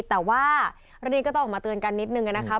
แต่ว่าเรื่องนี้ก็ต้องออกมาเตือนกันนิดนึงนะครับ